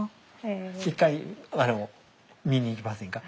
一回見に行きませんか？